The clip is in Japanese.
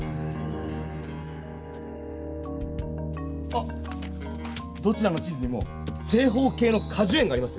あっどちらの地図にも正方形のかじゅ園がありますよ。